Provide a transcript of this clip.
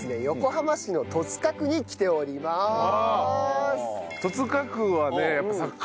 横浜市の戸塚区に来ております。